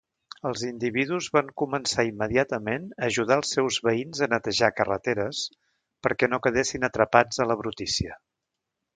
Els individus van començar immediatament a ajudar els seus veïns a netejar carreteres, perquè no quedessin atrapats a la brutícia.